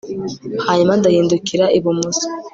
hanyuma ndahindukira ibumoso